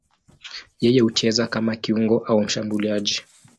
Yeye hucheza kama kiungo au mshambuliaji.